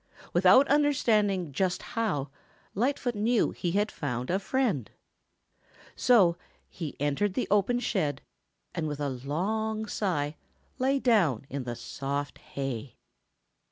Without understanding just how, Lightfoot knew that he had found a friend. So he entered the open shed and with a long sigh lay down in the soft hay.